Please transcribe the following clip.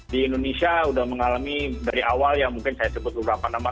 di indonesia sudah mengalami dari awal ya mungkin saya sebut beberapa nama